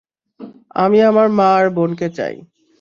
আমি আমার মা আর বোনকে চাই।